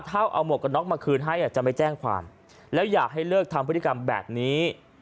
ถ้าเอาหมวกกันน็อกมาคืนให้จะไม่แจ้งความแล้วอยากให้เลิกทำพฤติกรรมแบบนี้